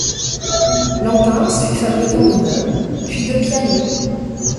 Lampens fut fabricant de meubles puis de pianos.